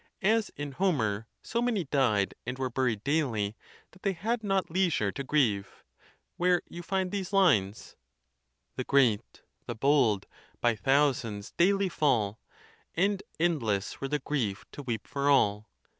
as in Homer, so many died and were buried daily that they had not leisure to grieve: where you find these lines— The great, the bold, by thousands daily fall, And endless were the grief to weep for all.